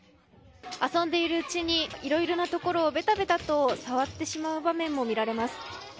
遊んでいるうちにいろいろなところをべたべたと触ってしまう場面も見られます。